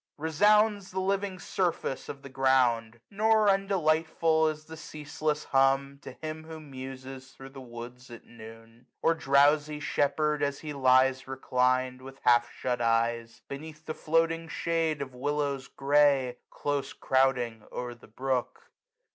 280 Resounds the living surface of the ground : Nor undelightful is the ceaseless hum, To him who muses thro' the woods at noon j Or drowsy shepherd, as he lies reclin'd. With half shut eyes, beneath the floating shade 285 Of willows grey, close crouding o'er the brook.